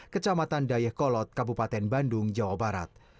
kecamatan dayakolot kabupaten bandung jawa barat